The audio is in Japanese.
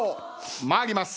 参ります。